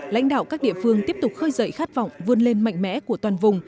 lãnh đạo các địa phương tiếp tục khơi dậy khát vọng vươn lên mạnh mẽ của toàn vùng